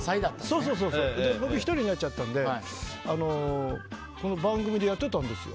僕１人になっちゃったので番組でやってたんですよ。